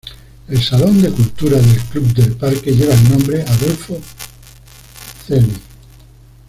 El Salón de Cultura del Club del Parque lleva el nombre "Adolfo Celli".